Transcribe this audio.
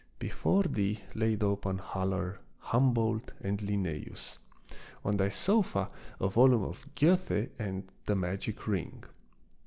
Before thee lay open Haller, Humboldt, and Linnaeus; on thy sofa a volume of Goethe and " The Magic Ring."